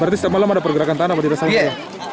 berarti setiap malam ada pergerakan tanah pada dasarnya ya